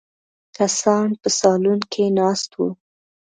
کسان په سالون کې ناست وو.